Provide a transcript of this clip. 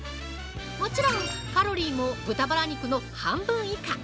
◆もちろん、カロリーも豚バラ肉の半分以下！